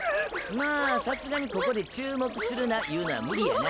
まあさすがにここで注目するないうのは無理やな。